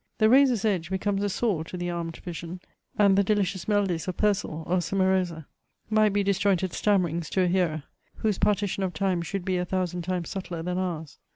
The razor's edge becomes a saw to the armed vision; and the delicious melodies of Purcell or Cimarosa might be disjointed stammerings to a hearer, whose partition of time should be a thousand times subtler than ours.